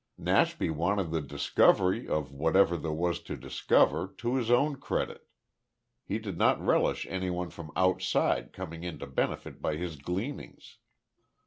Nashby wanted the discovery of whatever there was to discover to his own credit. He did not relish any one from outside coming in to benefit by his gleanings.